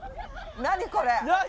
何これ？